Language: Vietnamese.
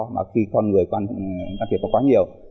mà khi con người đang kịp có quá nhiều